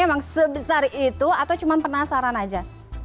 emang sebesar itu atau cuma penasaran aja